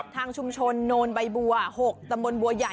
ทางชุมชนโนนใบบัว๖ตำบลบัวใหญ่